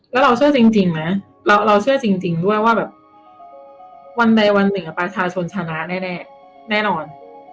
แล้วเราเชื่อจริงนะเราเชื่อจริงด้วยว่าแบบวันใดวันหนึ่งประชาชนชนะแน่แน่นอน